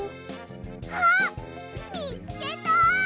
あっみつけた！